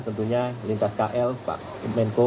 tentunya lintas kl pak menko